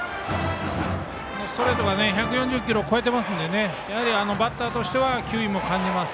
ストレートが１４０キロを超えていますのでやはり、バッターとしては球威も感じます。